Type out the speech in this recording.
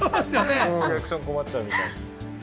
リアクション困っちゃうみたいな。